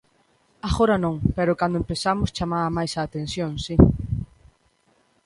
Agora non, pero cando empezamos chamaba máis a atención, si.